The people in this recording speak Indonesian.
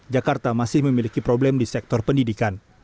jakarta masih memiliki problem di sektor pendidikan